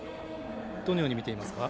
どのように見ていますか。